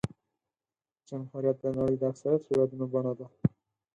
جمهوریت د نړۍ د اکثریت هېوادونو بڼه ده.